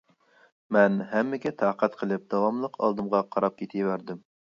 مەن ھەممىگە تاقەت قىلىپ داۋاملىق ئالدىمغا قاراپ كېتىۋەردىم.